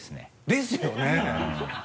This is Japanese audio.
ですよね？